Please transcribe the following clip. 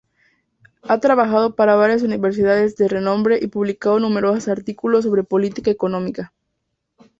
Ha trabajado para varias universidades de renombre y publicado numerosos artículos sobre política económica.